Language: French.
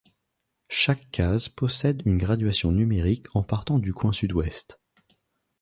Chaque case possède une graduation numérique en partant du coin sud ouest.